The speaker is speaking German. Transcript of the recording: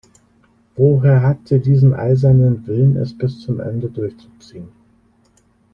Woher hat sie diesen eisernen Willen, es bis zum Ende durchzuziehen?